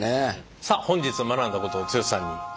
さあ本日学んだことを剛さんにまとめていただきました。